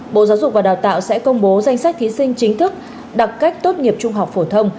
bộ giáo dục và đào tạo sẽ công bố danh sách thí sinh chính thức đặt cách tốt nghiệp trung học phổ thông